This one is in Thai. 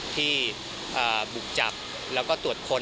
ที่บุกจับแล้วก็ตรวจค้น